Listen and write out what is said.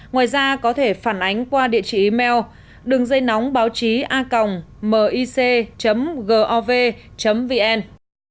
ngoài ra có thể phản ánh qua địa chỉ email đườngdâynóngbáochíacomic gov vn